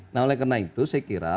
nah oleh karena itu saya kira